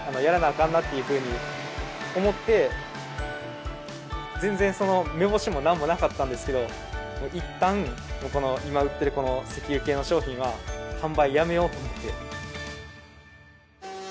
あかんなっていうふうに思って全然目星もなんもなかったんですけどいったんこの今売ってる石油系の商品は販売をやめようと思って。